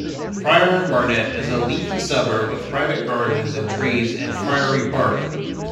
Friern Barnet is a leafy suburb of private gardens and trees and Friary Park.